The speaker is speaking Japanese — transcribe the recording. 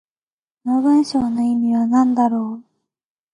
この文章の意味は何だろう。